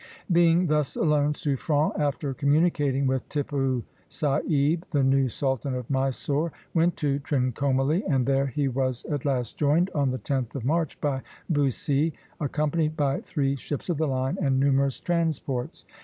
Being thus alone, Suffren, after communicating with Tippoo Saib, the new sultan of Mysore, went to Trincomalee; and there he was at last joined, on the 10th of March, by Bussy, accompanied by three ships of the line and numerous transports.